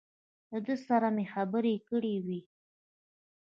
له ده سره مې خبرې کړې وې.